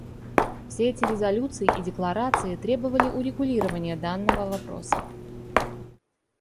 Все эти резолюции и декларации требовали урегулирования данного вопроса.